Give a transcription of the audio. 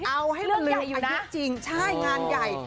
เอาให้ลืมอาทิตย์จริงใช่งานใหญ่